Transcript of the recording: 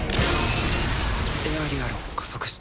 エアリアルも加速した。